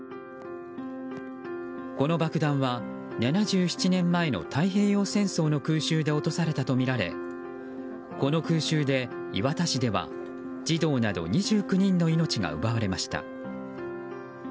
この爆弾は７７年前の太平洋戦争の空襲で落とされたとみられこの空襲で、磐田市では児童など２９人の命が奪われました。